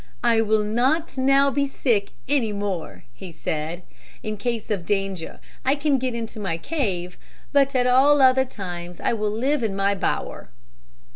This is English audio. "I will not now be sick any more," he said. "In case of danger I can get into my cave. But at all other times I will live in my bower."